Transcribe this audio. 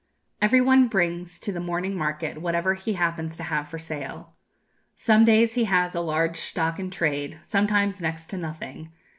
"Every one brings to the morning market whatever he happens to have for sale. Some days he has a large stock in trade, sometimes next to nothing.